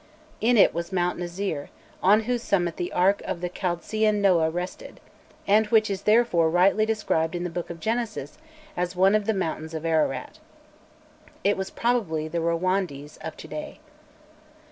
In it was Mount Nizir, on whose summit the ark of the Chaldsean Noah rested, and which is therefore rightly described in the Book of Genesis as one of "the mountains of Ararat." It was probably the Rowandiz of to day.